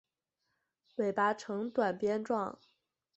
尾巴呈短鞭状。